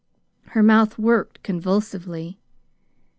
Her mouth worked convulsively.